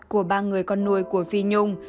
của ba người con nuôi của phi nhung